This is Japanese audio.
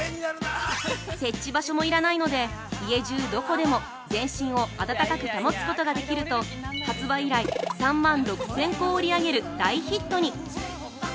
設置場所も要らないので家中どこでも全身を暖かく保つことができると発売以来、３万６０００個を売り上げる大ヒットに！